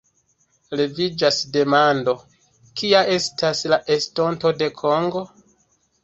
Leviĝas demando: kia estas la estonto de Kongo?